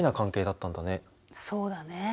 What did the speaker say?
そうだね。